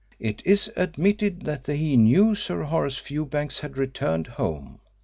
It is admitted that he knew Sir Horace Fewbanks had returned home.